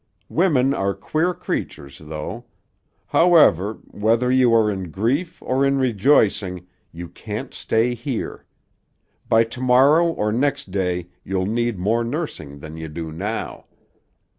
Women are queer creatures, though.... However, whether you are in grief or in rejoicing, you can't stay here. By to morrow or next day you'll need more nursing than you do now.